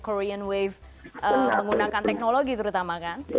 korean wave menggunakan teknologi terutama kan